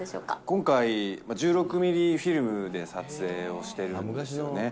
今回、１６ミリフィルムで撮影をしてるんですよね。